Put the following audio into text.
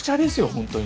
本当に。